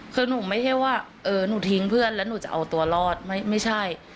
คือหนูไม่ใช่ว่าเออหนูทิ้งเพื่อนแล้วหนูจะเอาตัวรอดไม่ใช่